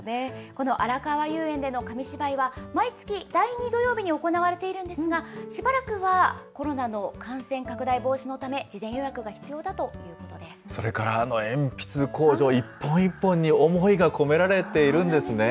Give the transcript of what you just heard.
このあらかわ遊園での紙芝居は、第２土曜日に行われているんですが、しばらくはコロナの感染拡大防止のため、事前予約が必要だとそれから、あの鉛筆工場、一本一本に思いが込められているんですね。